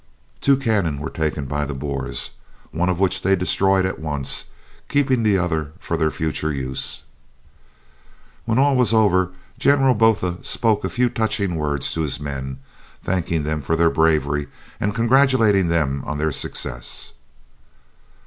Two cannon were taken by the Boers, one of which they destroyed at once, keeping the other for their future use. When all was over General Botha spoke a few touching words to his men, thanking them for their bravery, and congratulating them on their success.